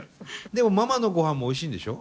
でもママの御飯もおいしいんでしょ？